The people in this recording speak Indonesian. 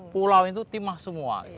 pulau itu timah semua